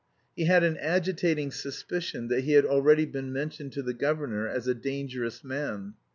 He had an agitating suspicion that he had already been mentioned to the governor as a dangerous man.